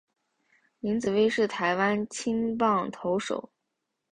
林子崴是台湾青棒投手。